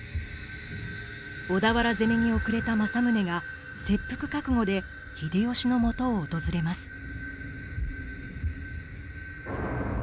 小田原攻めに遅れた政宗が切腹覚悟で秀吉のもとを訪れます。